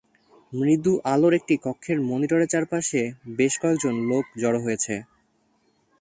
মৃদু আলোর একটি কক্ষে মনিটরের চারপাশে বেশ কয়েকজন লোক জড়ো হয়েছে।